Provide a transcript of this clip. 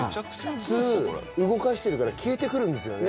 普通動かしてるから消えて来るんですよね。